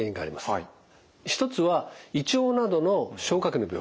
一つは胃腸などの消化器の病気。